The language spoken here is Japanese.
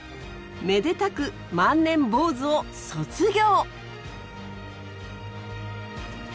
めでたく万年坊主を卒業！